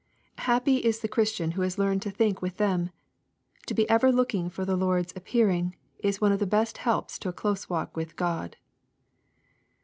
Happy is the Christian who has learned to think with them 1 To be ever looking for the Lord's ap pearing is one of the best helps to a close walk with God.